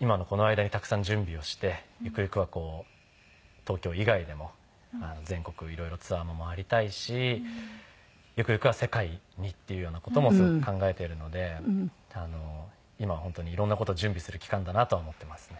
今のこの間にたくさん準備をしてゆくゆくは東京以外でも全国色々ツアーも回りたいしゆくゆくは世界にっていうような事もすごく考えているので今本当に色んな事を準備する期間だなとは思ってますね。